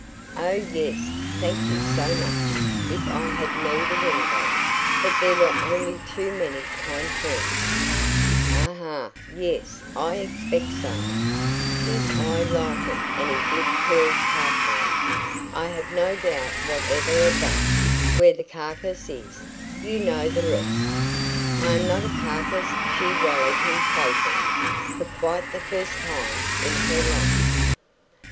"Oh, yes thank you so much if I had needed anybody. But there were only too many kind friends." "Aha! Yes, I expect so." His eye lighted and his lip curled craftily. "I have no doubt whatever of THAT. 'Where the carcase is ' You know the rest?" "I am not a carcase," she rallied him playfully for quite the first time in her life.